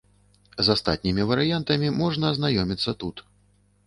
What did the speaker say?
З астатнімі варыянтамі можна азнаёміцца тут.